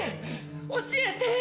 教えて。